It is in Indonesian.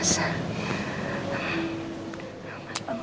sakti bukan kamu